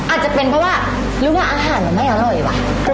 อาจจะเป็นเพราะว่ารู้ว่าอาหารมันไม่อร่อยหรือเปล่า